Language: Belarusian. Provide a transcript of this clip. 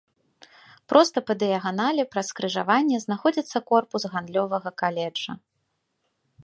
Проста па дыяганалі праз скрыжаванне знаходзіцца корпус гандлёвага каледжа.